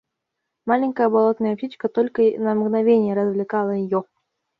Маленькая болотная птичка только на мгновенье развлекла ее.